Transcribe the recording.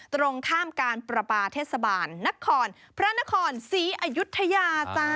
ตรงข้ามกันปรปาเทศบาลพระนครศรียุทยา